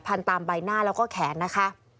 ตามใบหน้าแล้วก็แขนนะคะ